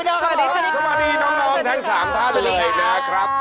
สวัสดีน้องทั้ง๓ท่านเลยนะครับ